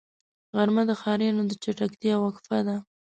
غرمه د ښاريانو د چټکتیا وقفه ده